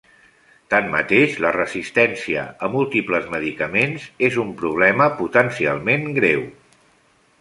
Tanmateix, la resistència a múltiples medicaments és un problema potencialment greu.